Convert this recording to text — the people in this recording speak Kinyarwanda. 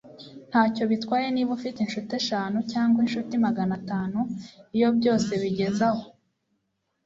ntacyo bitwaye niba ufite inshuti eshanu cyangwa inshuti magana atanu iyo byose bigeze aho